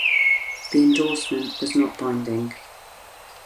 The endorsement was not binding.